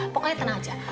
pokoknya tenang aja